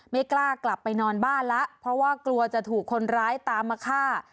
ไม่กล้ากลับไปนอนบ้านแล้วเพราะว่ากลัวจะถูกคนร้ายตามมาฆ่า